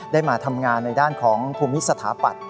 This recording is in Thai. ได้มาทำงานในด้านของภูมิสถาปัตย